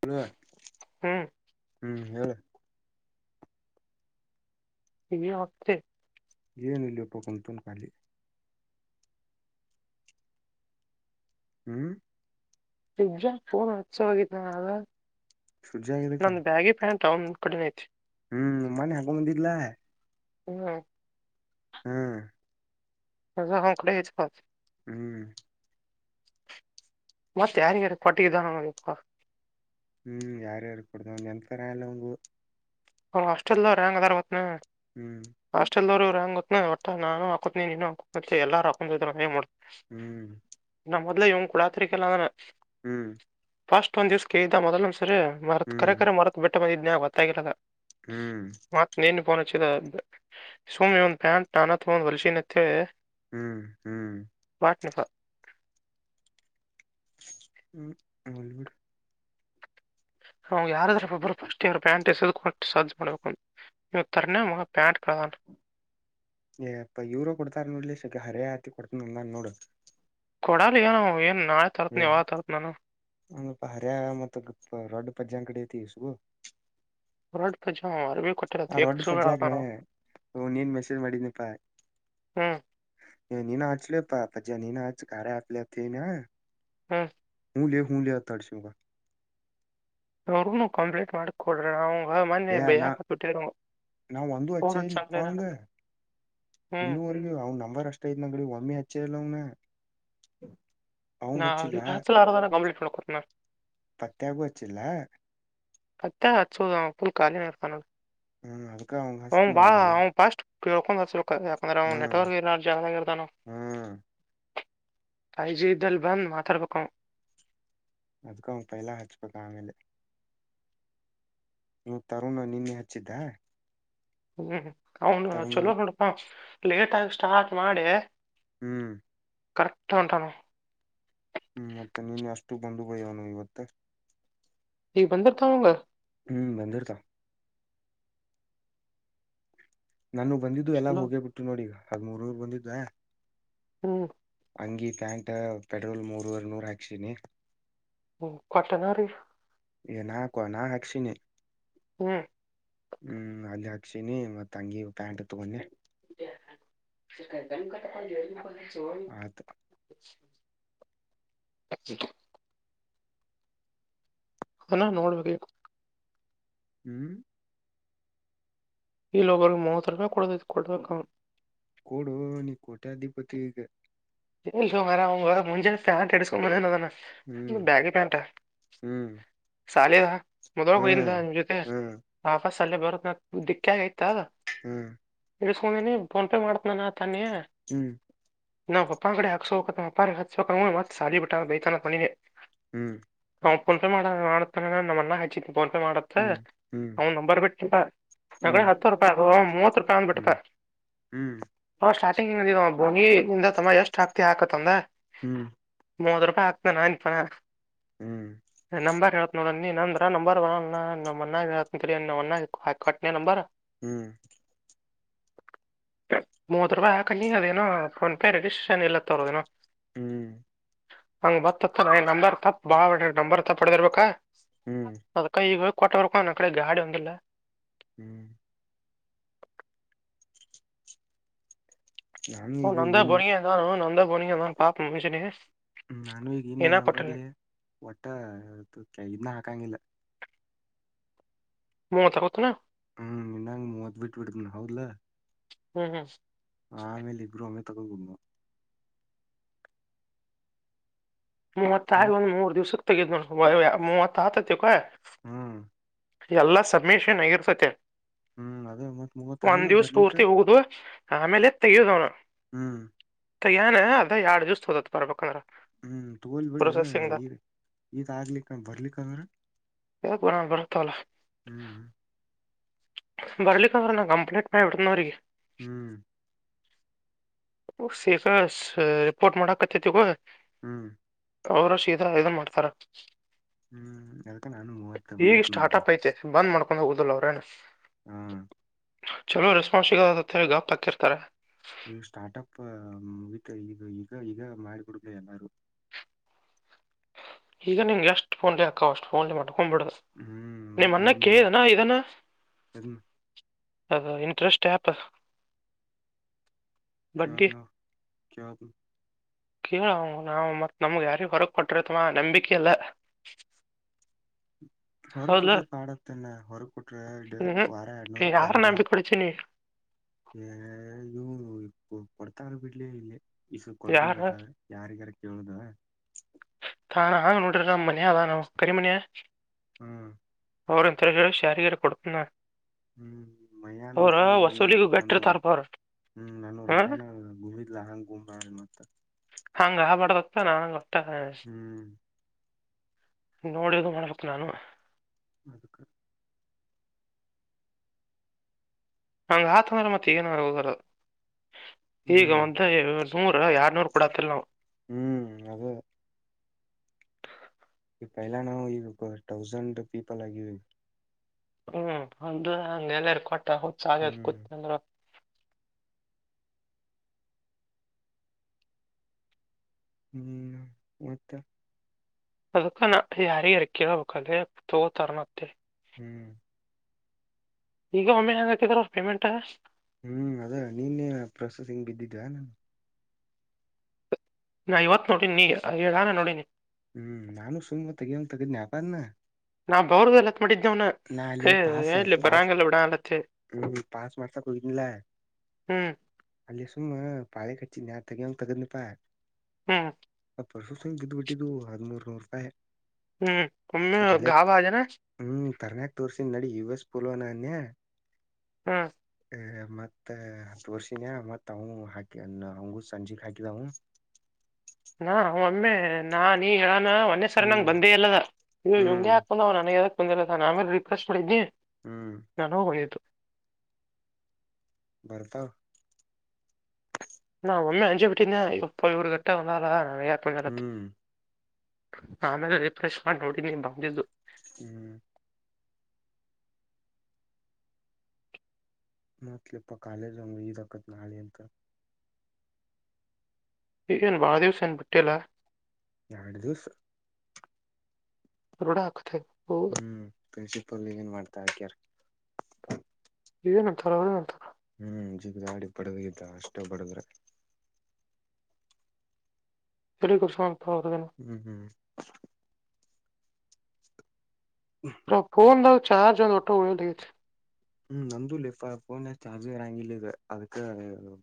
Hello ಹ್ಮ್ ಹೂ ಹೇಳ ಏನ್ ಒತ್ತಿ ಏನ ಇಲ್ಲಪ್ಪ ಕುಂತಿನ್ ಖಾಲಿ ಹ್ಮ್ ಸೂಜ್ಯಾಗ್ ಫೋನ್ ಹಚ್ಚಾವ ಇದ್ದೆ ನಾನು ಸೂಜ್ಯಾಗ್ ಎದಕ ಟೌನ್ ಕಡೆನ ಐತಿ ಹ್ಮ್ ಮಣ್ಣೇ ಹಗೊಂಡಂದಿಲ್ಲ ಹ್ಮ್ ಹ್ಮ್ ಅದ ಅವ್ನ್ ಕಡೆ ಇಸ್ಕೊಲೋದ ಹ್ಮ್ ಮತ್ತೆ ಯಾರಿಗೆಾರ ಕೊಟ್ಟಿಗಿಡಾನಾ ಎಪ್ಪ ಹ್ಮ್ ಯಾರ್ಯಾರು ಕುಡ್ತನ್ ನೆನಪ ಇರಾಂಗಿಲ್ ಅವನಿಗೂ ಹಾಸ್ಟೆಲ್ ದೌರ್ ಹ್ಯಾಂಗ್ ಅದರ ಗೊತ್ತ ಏನ್ ಹ್ಮ್ ಹಾಸ್ಟೆಲ್ ಅವ ಹ್ಯಾಂಗ್ ಗೊತ್ತು ಏನ್ ಒಟ್ಟ ನಾನು ಹಾಕೋತೀನಿ ನೀನು ಹಾಕೊ ಎಲ್ಲಾರ್ ಹಾಕೊಂಡು ರನ್ನಿಂಗ್ ಮಾಡೋ ಹ್ಮ್ ಮೊದಲು ಇವನಿಗೆ ಕೊಡತಿರ್ತಿಲ್ಲದನ್ನು ಹ್ಮ್ ಫಸ್ಟ್ ಒಂದು ದಿವಸ ಕೇಳಿದ ಮೊದಲ ಒಂದ್ ಸರಿ ಮರತ ಹ್ಮ್ ಕರೆ ಕರೆ ಮರತ್ ಬಿಟ್ಟ ಬಂದಿದ್ನಗ ಗೊತ್ತಾಗಿಲ್ಲಾಗ ಹ್ಮ್ ಸುಮ ಒಂದ್ ಪ್ಯಾಂಟ್ ತಾನಾ ಒಂದ ತಗೊಂಡು ಹೊಲ್ಸೀನ ಅಂತ ಹೇಳಿ ಹ್ಮ್ ಹ್ಮ್ ಹ್ಮ್ ಹೊಳಬಿಡ್ ಅವ ಯಾರಾದ್ರ ಒಬ್ರು ಫಸ್ಟ್ ಇವರು ಪ್ಯಾಂಟ್ ಎಸೆದುಕು ಸಾಧ್ಯ ಮಾಡ್ಬೇಕು ಇವ ತರನೇ ಪ್ಯಾಂಟ್ ಪ್ರಧಾನ [inaudible] ಏ ಅಪ್ಪ ಇವರ ಕೊಡ್ತಾರ ನೋಡ್ಲಿಕ ಹರೇ ಆತಿ ಕೊಡ್ತನಂದ ನೋಡು ಕೊಡಾಲ ಏನ ಏನ್ ನಾಳೆ ತರತ್ನ ಯಾಗ ತರತ್ ನಾನ ಒಪ ಹರ್ಯ ಮತ್ತ ರೊಡ್ ಪಜಾಂಗ ಕಡೆ ಐತಿ ಇ ಸಗು [unintelligible] ಯೆಟ್ ಸುಳ ಹೇಳತನವ್ ಹ ನೀನ್ ಮೆಸೇಜ್ ಮಾಡಿದನಿಪ್ಪಾ ಹ್ಮ್ ಏ ನೀನುಾ ಆಚಲೇಪ ಅಜ ನೀನುಾ ಆು ಕರ ಆಪ್ಲ ಅನ ಹ್ಮ ಹಲೆ ಹ ಲ ಆ ತಡಶ ಅವ್ರನು ಕಂಪ್ಲೇಂಟ್ ಮಾಡ ಕೊಡ್ರಿ ನಾವು ಹ ಮನ್ೆ ಏ ನಾ ಬಯಾಕತ್ತುಟ್ಟಿರ ಫೋನ್ ಹಚ್ಚ ಅಂದಿನಬ ಇನ್ನೂವರ್ಗೂ ಅವ್ ನಂಬರ್ ಅಷ್ಟ ಐದ್ ನಂಗಡಿ ಒಮ್ಮೆ ಹಚ್ಚೆ ಇಲ್ಲವನ ನಾ ಅ ಆಸ್ಲ ಆರ ಕಂಪ್ಲೀಟ್ ಕೊತನನೆ ಪತ್ಯೇಾಗ ವಚ್ಚಿಲ್ಲ ಪತ್ತ ಹಚ್ಚೋದ ುಲ್ ಕಾಲಿ ನರ್ತಾನೋದು ಹ್ಮ್ ಅವಂಗ ಅವ್ ಹಸ್ತನ ಬಾ ಈಗೆಲ್ಲ ಅವ್ ಫಾಸ್ಟ್ ಕಳ್ಕೊಂಡ ಯಾಕಂದ್ರ ಹ್ಮ್ ನೆಟ್ವರ್ಕ್ ಇ ಜಸ್ ಇರ್ತಾನ ಹ್ಮ್ ಫೈವ್ ಜಿ ಯಿದಲ ಬಂದಿ ಮಾತಡ್ಪಕ ಅದ್ಕ ಅವ ಪೈಲ ಹಚ್ಬೇಕಕ್ ಆಮೇಲೆ ನೀ ತರುಣ ನಿನ್ನೆ ಹಚ್ಚಿದ್ದ ಹ್ಮ್ ಅವನು ತರುಣ ಚಲೋ ನೋಡಪ್ಪ ಲೇಟ್ಗಿ ಸ್ಟಾರ್ಟ್ ಮಾಡೆ ಹ್ಮ್ ಕರೆಕ್ಟ್ ಉಟಾನ ಹ್ಮ್ ಮತ್ತೆ ನೀನ್ ಅಷ್ಟು ಬಂದು ಬಯವನು ಇವತ್ತ ಈ ಬಂದತಾ ಹಂಗ ಹ್ಮ್ ಬಂದಿರತಾನ್ ನಾನು ಬಂದಿದ್ದು ಎಲ್ಲಾ ಚಲೋ ಹೋಗೇ ಬಿಟ್ಟು ನೋಡಿಗ ಹಾಗ ಮೂರೂರ್ ಬಂದಿದ್ದ್ೆ ಹ್ಮ್ ಅಂಗಿ ಪ್ಯಾಂಟ್ ಪೆಟ್ರೋಲ್ ಮೂರವರ್ ನೂರ ಹಾಕ್ಸಿನಿ ಹ್ಮ ಕೊಟ್ಟನಾಾರಿ ಏನ ಹಾಕುವ ನಾ ಹಾಕ್ಸಿನಿ ಹ್ಮ್ ಹ್ಮ್ ಅಲ್ಲಿ ಹಾಕ್ಸಿನಿ ಮತ್ತೆ ತಂಗಿ ಪ್ಯಾಂಟ್ ಇ ತಗೊಂಡನೆ [unintelligible] ಆತ ಹ [unintelligible] ಹಣ ನೋಡ್ಬೇಕ ಯಿಗ ಹ್ಮ್ ಈ ಲೋಗರಿಗೆ ಮೂವತ್ರರವೇ ಕುಡಕಡ್ಬೇಕ ಕೊೋಡೋ ನೀ ಕೋಟ್ಯಾ ಅಧಿಪತಿಗೆ ಸ ಮಾರ ಅವ್ಊರ ಮುಂಜೆ ್ಯಾಟ್ ಎಡ್ಕೊಂಡಣನಾನೆ ಹ್ಮ್ ಹ್ಮ್ ಸಾಲೆದ ಮೊದ್ಳಗಿಂದ ಹ್ಮ್ ನಮ್ಮ ಜೊತೆ ಹ್ಮ್ ಆಫಸ್ ಸಲ್ಲೆ ಬರೋದ ದಿಕ್ಕ ಆಗ ಆಯ್ತದ ಹ್ಮ್ ನಿಗಸ್ಕಂದೀನಿ ಫೋನ್ಪೇ ಮಾಡ್ತ ನಾನ ತನ್ನಿ ಹ್ಮ್ ನಾ ಅಪ್ಪ ಕಡೆ ಹಾಕೋ ಅಪ ಹ ಮತ್ ಸಾಲ ಬಿಟ್ಟ ಬೈತ್ತನ್ ಅಂಕೊಂಡಿದೆ ಹ್ಮ್ ನಂಸೆ ಮಾಡ ಮಾಡ ನಮ್ಮಣ ಆ ಪಂಸೆ ಮಾಡತ್ತೆ ಹ್ಮ್ ಅವನು ನಂಬರ್ ಬಿಟ್ಟಪಡ ಹ್ಮ್ ಹತ್ತು ರೂಪಾಯ್ ಮೂವತ್ತು ರೂಪಾಯ್ ಅಂತ ಬಿಟ್ಟಪಾ ಹ್ಮ್ ಹ್ಮ್ ಹ್ಮ್ ಹ ಸ್ಟಾರ್ಟಿಂಗ್ ಬೋನಿಂದ ತಮ್ಮ ಎಷ್ಟ್ ಆತಿ ಹಾಕತ್ಂದ ಹ್ಮ್ ಮೂವತ್ ರೂಪಾಯಿ ಆಕ್ತ ನನ್ಪ ಹ್ಮ್ ನಂಬರ್ ಹೇಳತ್ ನೋಡಣ ನೀನಂದ್ರ ನಂಬರ್ ನಮ್ಮ ಮನಾಗ ನಮ್ಮ ಮನ ಹಾಕ ಕಟ್ನ ನಂಬರ್ ಹ್ಮ್ ಮೂವತ್ತು ರೂಪಾಯಿ ಹಾಕ ನೀ ಅದೇನೋ ಫೋನ್ಪೇ ರಡಿ ಸ್ಟಷನ್ ಎಲ್ಲ ತರೋದಏನೋ ಹ್ಮ್ ಹಂಗ ಬತ್ತತ್ತ ನ ನಂಬರ್ ತಪ್ಪ ಬಾ ನಂಬರ್ ತಪ್ಡ್ದ ಇರ್ಬೇಕ ಹ್ಮ್ ಅದ್ಕ ಈಗ ಕೋಟ ವರ್ಕ ನ ಅ ಕಡೆ ಗಾಡಿ ಒಂದಲ್ಲ ಹ್ಮ್ ನಾನು ಓ ಈಗ ನಂದ ಇನ್ನು ಪನಿಗೆನ ನಂದ ಪನಿಗೆಂತಾನ ಪಪ ಮಷನ ನಾನು ಈಗ ಇನ್ನೊಂದ್ ನಂಬರ್ಲಿ ಒಟ್ಟ ಇದನ್ನ ಹಾಕಂಗಿಲ್ಲ ಮ ಮಾತ್ ಕೊತುನಾ ಹ್ಮ್ ಇನ್ನಂಗ್ ಮೂವತ್ ಬಿಟ್ಟ ಬಿಡ್ದ್ನ ಹೌದಲಾ ಹ್ಮ್ ಹ್ಮ್ ಆಮೇಲೆ ಇಬ್ರು ಒಮ್ಮೆ ತಗೋಬ ಮೂವತ್ತ ಆಗ ಹೌದ್ ಒಂದ್ ಮೂರ್ ದಿವ್ಸಕ್ಕೆ ತಗ್ ನೋ ಮೂವತ್ತ ಆತತಿ ಕ ಹ್ಮ್ ಎಲ್ಲಾ ಸಮ್ಮಿಶನ್ಗಿರ್ಸತೆ ಹ್ಮ್ ಅದೇ ಮವತ್ ಮೂವತ್ ಹಲ್ನ ಬರ್ಲಿಕ್ಕ ಪೂರ್ತಿ ಹೋಗುದು ಆಮೇಲೆ ತೆಗೆನು ಹ್ಮ್ ಕೈಯಾನ ಅದ ಎರಡ್ ಜ್ಯೂಸ್ ತೋದತತ್ ಬರ್ಬೇಕಂದ್ರ ಹ್ಮ್ ತಗೋಲ್ಬಿಡ ಪ್ರೊಸೆಸಿಂಗ್ ಈ ಈ ಆಗ್ಲಿಕ್ಕ ಬರ್ಲಿಕ್ಕಂದ್ರ ಯ ಬರತ ಅವಲ್ಲ ಹ್ಮ್ ಬರ್ಲಿಕ್ಕಂದ್ರ ನಾ ಕಂಪ್ಲೇಟ್ ಮಾಡ ಇಡ್ತನ ಅವಿಗೆ ಹ್ಮ್ ಸೇಗ ರಿಪೋರ್ಟ್ ಮಾಡಕತ್ತೇತಿಗ ಹ್ಮ್ ಅವ್ರ ಶೀದ ಇದ ಮಾಡ್ತಾರ ಹ್ಮ್ ಅದಕ್ಕೆ ನಾನು ಮೂವತ್ತು ಮಾಡಡತನ ಉದಲಲ್ಲ ಅವರ ಹ್ಮ್ ಚಲೋ ರೆಸ್ಪಾನ್ಸ್ ಸಿಗದ ಗಾಪ್ ಹಾಕಿರ್ತಾರೆ ಈ ಸ್ಟಾರ್ಟಪ್ ವಿತ್ ಈಗ ಈಗ ಈಗ ಮಾಡಿಕಡ್ಬೇಕ ಎಲ್ಲಾರು ಈಗ ನಿಂಗೆ ಎಷ್ಟು ಫೋನ್ಲಿಕ್ಕ ಅಷ್ಟು ಫೋನ್ ಮಾಡ ಕೊಬಿಡದು ಹ್ಮ್ ನಿಮ್ಮ್ ಮತ್ ಅನ್ನ ಒಂದು ಕೇಳನಾ ಇದನಾ ಎದನ್ ಹ ಇಂಟ್ರೆಸ್ಟ್ ಆಪ್ ಕ್ಯಾ ನಾ ಕ್ಯಾ ಕೇಳ ನಾವು ಮತ್ ನಮ್ಗೆ ಯಾರಿ ಹೊರಕ್ ಕೊಟ್ರತಮ್ಮ ನಂಬಿಕೆಯಲ್ಲ [inaudible] ಹೊರ ಕೊಟ್ರೆ ಪಾಡತನ ಹೊರ ಕೊಟ್ರೆ ವಾರ ಹ್ಮ್ ಎರಡ್ನೂರ್ ಯಾರ ಎರಡ್ನೂರ್ ನಂಬಿಕೆ ಕೊಡ್ತೀನಿ [unintelligible] ಪರತಾರ ಬೀಡ್ಲೇ ಇಲ್ಲ ಈಸ ಕೊಡ್ ಯಾರ ಗೊತ್ತಾದ್ರ ಯಾರಿಗಾರ ಕೇಳುದ ಹ ಹಾ ನೋಡ ಮನಯದಾ ನಾವು ಕರಿಮ ಮನಯ ಹ್ಮ್ ಅವಂದುಂಥ್ರ ಶಷಾರೀರ ಕೊಡುತನ ಹ್ಮ್ ಮಯಾನ ಅಂತ ಅವರು ನನ್ನೂ ವಸೂಲಿಗೂ ನನ್ನೂರು ಗಟ್ಟಿರ್ತಾರಪ್ಪ ಅವ್ರ ಹ್ಮ್ ನಾನು ಹ್ಮ್ ರೊಕ್ಕಾನ ಗುಮಿದ್ಲಾ ಹಾಂಗ್ ಗುಮ್ ಬ್ಯಾಡ್ರಿ ಮತ್ತ ಹಾ ಗಾಬಡ್ ದತ್ತ ನಾನು ಗೊತ್ತ ಹ್ಮ್ ನೋಡದು ಮಾಡ್ಬೇಕ್ ನಾನು. ಅದುಕ್ಕ ಹಂಗ್ ಆತು ಅಂದ್ರ್ ಮತ್ತೇನು ಹೋರ್ ಹೋಗರು. ಈಗ ಹ್ಮ್ ಒಂದ ನೂರ ಯರ್ನೂರ್ ಕೋಡಾತ್ತಿಲ್ ನಾವು. ಹ್ಮ್ ಅದೆ ಈ ಫೈಲನು ಇವು ಹ ಥೌಸಂಡ್ ಪೀಪಲ್ ಆಗಿವಿ. ಹ್ಮ್ ಅದು ನ ಎಲರ್ ಕೊಟ್ಟ ಹ [unintelligible] ಹ್ಮ್ ಕೂತಂದ್ರ್ ಹ್ಮ್ ಮತ್ತ ಅದಕ್ಕಾನ ಯಾರಿ ಯಾರ ಕೇಳಬೇಕಾದ್ರೆ ತಗೋತಾರ ಮತ್ತೆ ಹ್ಮ್ ಈಗ ಒಮ್ಮೆ ನಾರ್ ಹಾಕಿದ್ರ ಪೇಮೆಂಟ ಹ್ಮ್ ಅದೆ ನೀನ್ನೇ ಪ್ರೊಸೆಸಿಂಗ್ ಬಿದ್ದಿದೆ. ನಾ ಇವತ್ ನೋಡಿ ನೀ ಇವ್ಗಾನ ನೋಡಿನಿ. ಹ್ಮ್ ನಾನು ಸುಮ್ ತೇಗಿ ತೆಗಿದ್ನಿ ಯಾಪಾನ. ನಾವ್ ಬವರ್ಲ್ಲತ್ತ ಮಾಡಿದ್ದೆ ಅವ್ನ ಎಲ್ಲಿ ಬರಂಗಲ್ಲ ಬಿಡ ಅಲತ್ತಿ ಹ್ಮ ಪಸ್ ಮಾಡ್ಸಕ್ ಹೋಗಿದ್ನಲ ಹ್ಮ್ ಅಲ್ಲಿ ಸುಮ್ಮ ಪಾಳಿ ಕಟ್ ನಾ ತೆಗಿಯಂಗ್ ತೆಗ್ದ್ನಿ ಪಾ ಹ್ಮ್ ಪರ್ಸುಂಗ್ ಇದ್ಬ ಬಿಟ್ಟಿದ್ದು ಹದ್ಮೂರು ನೂರು ರೂಪಾಯಿ. ಹ್ಮ್ ಫುಲ್ಲು ಗಾಬ್ ಆದ್ಯೇನ ತೋರ್ಸನ್ ನಡಿ ಯು ಎಸ್ ಪೋಲೊ ನನ್ಯ ಹ್ಮ ಹ ಮತ್ತ ತೋರ್ಸಿನ್ಯ ಮತ್ ಅವ ಹಾಕಿ ಹಂಗು ಸಂಜುಗ್ ಹಾಕಿದವು. ನ ಒ ಒಮ್ಮೆ ನಾ ನೀ ಹೇಳ ಮನ್ನೆ ಸರ್ ನಂಗ ಹ್ಮ್ ಬಂದೇ ಇಲ್ಲದ ಇವು ಇವ್ನ್ದ ಹ್ಮ್ ಹಾಕಂದ ಅವ್ ನನಗೆ ಬಂದಲ್ಲ ಸರ್ ನಾನು ರಿಫ್ರೆಶ್ ಮಾಡಿದ್ದಿ ಹ್ಮ್ ನನ್ನುವ್ ಹೋಗಿದ್ದು. ಬರ್ತಾವ ನಾ ಒಮ್ಮೆ ಅಂಜು ಬಿಟ್ಟಿದ್ನ್ಯ ಯಪ್ಪ ಇವರುಗಟ್ಟಲ್ಲನ ಹ್ಮ್ [unintelligible] ಆಮೇಲೆ ರಿಫ್ರೆಶ್ ಮಾಡಿ ನೋಡಿನಿ ಬಂದಿದ್ದು ಹ್ಮ್ ಮತ್ಲಿಪ್ಪ ಕಾಲಜಂಗ ಈಜಕತ್ತ್ ನಾಳೆ ಅಂತ. ಏನ್ ವಾದೇವ್ಸನ್ ಬಿಟ್ಟಿಲ್ಲ. ಎರಡು ದಿವ್ಸ್ ರೂಡಕತೆ ಹ್ಮ್ ಪ್ರಿನ್ಸಿಪಲ್ ಏನ್ ಮಾಡ್ತಾ ಆಕ್ಯಾರ್ ಏನ್ ಅಂತಾರ ಅವ್ರೇನ್ ಅಂತಾರ. ಹ್ಮ್ ಜಿಗಾಡಿ ಬಡದ ಇದ್ದ ಅಷ್ಟ ಬಡದ್ರ. [unintelligible] ಹ್ಮ್ ಹ ಫೋನ್ ನವು ಚಾರ್ಜ್ ಒಳೋಟೊ ಒಳ್ [unintelligible] ಹ್ಮ್ ನಂದು ಲಿಫ ಫೋನ್ ಚಾರ್ಜ್ ಇರಂಗಿಲ್ಲ ಈಗ ಅದಕ್ಕ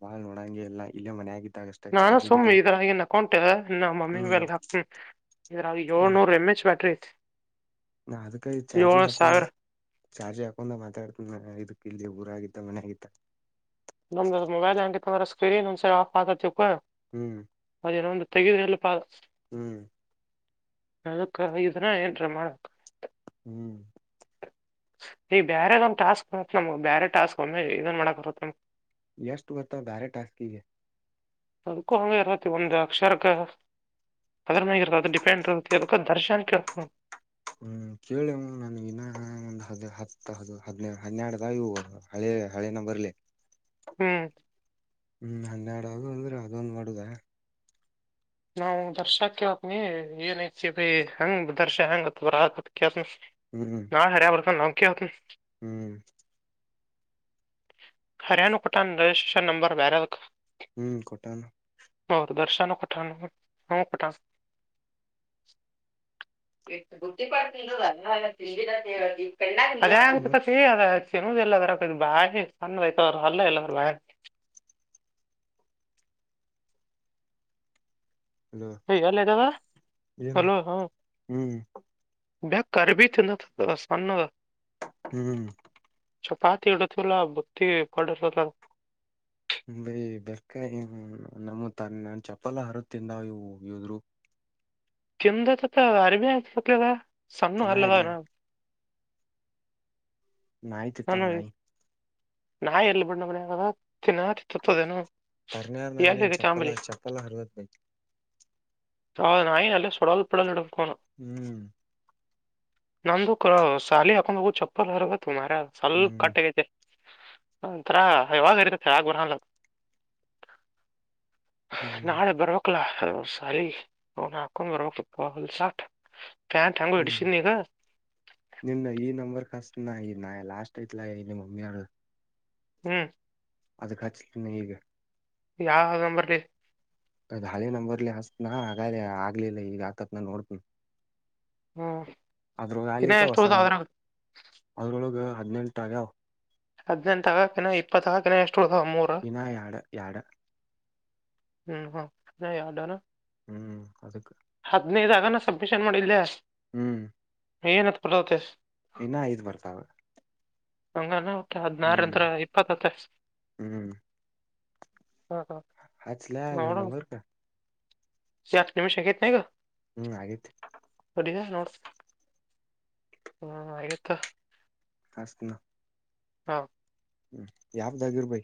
ಬಾಳ್ ನೋಡಂಗೆ ಎಲ್ಲಾ ಇಲ್ಲೇ ಮನೆ ಆಗಿ ನಾನು ಸುಮ್ಮ್ನೆ ಇದ್ರಾಗಿನ್ ಅಕೌಂಟದ ನಮ್ ಮಮ್ಮಿ ಹ್ಮ್ ವರ್ಗ್ ಹಾಕ್ತಿ. ಇದ್ರಾಗಿ ನಾ ಏಳ್ನೂರ್ ಎಂ ಎಚ್ ಬ್ಯಾಟ್ರಿ. ಐತಿ ನಾ ಅದಕ ಈ ಚಾರ್ಜಿ ಏಳ್ ಹಾಕೊಂಡ ಸಾವಿರ ಚಾರ್ಜಿಗ್ ಹಾಕೊಂಡ ಮಾತಾಡ್ತ್ನ ಇದು ಇಲ್ಲಿ ಊರ ಆಗದ್ದ ಮನೆಯಾಗಿದ್ದ. ನಮ್ದ ಮೊಬೈಲ್ [unintelligible] ಸ್ಕ್ರೀನ್ ಒಂದ್ಸರಿ ಆಫ್ ಆತೈತಿ ಅಪ್ಪ ಹ್ಮ್ ಅದೇ ನಮ್ದು ತೆಗೆದು ಎಲ್ಲ ಪ ಹ್ಮ್ ಅದು ಕರಗಿದ್ರೆ ಏನ್ರೀ [unintelligible] ಹ್ಮ್ ಈ ಬೇರೆದೊಂದ್ ಟಾಸ್ಕ್ ನಮ ಬೇರೆ ಟಾಸ್ಕ್ ಒಮ್ಮ ಇದನ್ ಮಾಡಕ್ ಬರತ್ತಮ ಎಷ್ಟು ಗೊತ್ತ ಬಾರೆ ಟಾಸ್ಕಿಗೆ ಅದಕ್ಕೂ ಹಂಗ ಇರ್ವತಿ ಒಂದು ಅಕ್ಷರಕ್ಕ ಅದ್ರನಾಗಿರತ್ತ ಅದ ಡಿಪೆಂಡ್ ಅದ ದರ್ಶನ್ಕ್ಕೆೇಳ ಹ್ಮ್ ಕೇಳೇಮ್ಮ ನನ್ ಇನ ಒಂದ್ ಹ ಹತ್ತು ಹ ಹದ್ ಹದೆರಡದಾಗಿ ಹಳೆನ ಬರ್ಲಿ ಹ್ಮ್ ಹ್ಮ್ ಹನ್ನೆರಡದು ಅಂದ್ರೆ ಅದೊಂದ್ ಮಾಡುದ ನಾವು ದರ್ಶಾಕ್ಕೆ ಹತ್ನಿ ಏನ್ ಐತಿ ಭ ಹಂಗ ದರ್ಶಾ ಹಂಗತ್ ಬರತ್ ಕೇತ್ನಿ ಹ್ಮ್ ನಾ ಹರ ಬರ್ತ ನಾವುಕ ಹೊತ ಹ್ಮ್ ಹರಯಣು ಪಟಾಣ ರಿಜಿಸ್ಟರ್ ನಂಬರ್ ಬರ ಹ್ಮ್ ಕೊಟಾನ ದರ್ಶಾನ ಕಠಾಣ ಹ ಕಠಾಣ ಗುಟ್ಟಿ ಪಡ್ತ ಅ ತಿಂಡಿ ನವಿ ಮತ್ ಅದ್ಯಾಂಗತತಿ ಅದ ಚೆನ್ನದಲ್ಲ ಅದರಕದು ಬಾಷಿ ಸಣ್ಣ ವಯತ ಅಲ್ಲ ಇಲ್ಲ ಅದರಾಗ ಬಯ ಅಲೋ ಹ ಯಲ್ಲ ದಾದಾ ಏನು ಹಲೋ ಹ್ಮ್ ಹ್ಮ್ ಬ್ಯಾ ಕಾರ್ಬಿ [unintelligible] ಸಣ್ಣದು ಹ್ಮ್ ಚಪಾತಿಡಲ್ಲ ಬತಿ ಪಡಲ್ಲ ಹ ಬೈ ಬೆಕ ನಮ್ಮ ತ ನನ್ ಚಪ್ಪಲ ಹರತ್ತಿಂದ ಇವು ಹೋಗುದ್ರು ತಿಂದ ಅರಮ ಆಲದ ಸಣ್ಣ ತಿನ್ನ ಇಲ್ಲ ಹೊಲದಾಗ ನಾಯಿ ತಿಂತಾನ ನಾನು ನಾಯಿ ನಾಯಿ ಎಲ್ಲಿ ಬಣ್ಣ ಮನ ಆಗ ತಿನ್ನ ಚಿತ್ತುತ್ತದೇನು ತರ್ನಾರ ನಾಯಿ ಚಪಲ ಚಪ್ಪಲ್ಲ ಹರವತ್ ಭೈ ಹ ನಾಯಿ ನಲ್ಲ ಸಡಾಲ್ಪಡ ನಕೊಂಡ ಹ್ಮ್ ನಮ್ದು ಕ ಸಾಲ ಹಾಕೊಂಡ್ ಹೋಗು ಚಪ್ಪಲ್ ಅರ್ಬೇಕ ಮಾರ ಸ್ವಲ್ಪ ಹ್ಮ್ ಕಟ್ಟಗೈತೆ ಒಂತರ ಹವಾ ಗರಿತ ಗುರಲ್ಲ [inaudible] ಹ್ಮ್ ನಾಳೆ ಬರ್ವಕ್ಲ ಹಲೋ ಸಾರಿ ಹ ಹಾಕ ಬರ ಸಾ [inaudible] ಹ್ಮ್ ನಿನ್ನ ಈ ನಂಬರ್ ಕಸ್ ನ ನ ಲಾಸ್ಟ್ ಐತ್ಲ ಇಲ್ಲಿ ಮಮ್ಮಿ ಅವಳ ಹ್ಮ್ ಅದಕ್ಕೆ ಹಚ್ಕ್ಕನ್ನ ಹಗೆ ಯಾವ ಹಗಂಬರ್ ಅದ್ ಹಾಲಿ ನ ಬರ್ಲಿ ಹತ್ನಾ ಹಾಗಾದ ಆಗ್ಲಿಲ್ಲ ಈಗ ಆಕತ್ ನ ನೋಡ್ತನ ಹ್ಮ್ ಅದ್ರೊ ಇನ್ನ ಅಲ್ಲಿಕ ಎಷ್ಟು ಹೊಸ ಉಳ್ದಾವ ನ ಅದ್ರಾಗ ಅದ್ರೊಳಗೆ ಹದ್ನೆಂಟಾಗಾವ ಹದನೆಟ ತಗಕಿನ ಇಪ್ಪತ್ತಕಿನ ಎಷ್ಟು ಉಳ್ದಾವ ಮೂರ ಇನಾ ಯಾಡ ಯಾಡ ಹ್ಮ್ ಹಾ ಮ ಯಾರ್ದ ಹ್ಮ್ ಅದುಕ್ಕೆ [unintelligible] ಹದಿನೈದ ಆಗನ ಸಬ್ಮಿಷನ್ ಮಾಡಿಲ್ಲೇ ಹ್ಮ್ ಏನ ಪದಾವತೆ ಇನ್ನ ಐದ್ ಬರ್ತಾವ ಹಂಗನಾ ವಟ ಹದನಾರ ಹ್ಮ್ ಇಂದ ಇಪ್ಪತ್ ಹತ್ತೈತಿ ಹತ್ಲೇ ನಿನ್ ನಂಬರ್ಕ್ ಹತ್ತ ನಿಮಿಷ ಅಗೇಟ್ ಏನ್ ಈಗ ಹ್ಮ್ ಆಗೇತಿ ತಡಿ ಲೆ ನೋಡ್ತೀನಿ ಹೂ ಅಗೇಟ್ ತೊಗೊ ಹಚ್ತಿನ ಹಾ ಹ್ಮ ಆಪ್ದಾಗಿರಿ ಭೈ